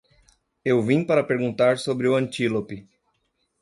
Eu vim para perguntar sobre o antílope.